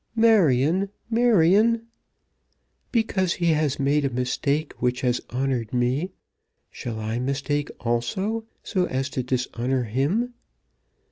"Marion, Marion!" "Because he has made a mistake which has honoured me, shall I mistake also, so as to dishonour him?